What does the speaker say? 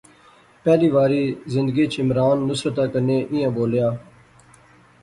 پہلی واری زندگیچ عمران نصرتا کنے ایہھاں بولیا